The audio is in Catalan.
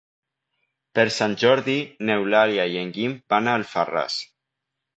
Per Sant Jordi n'Eulàlia i en Guim van a Alfarràs.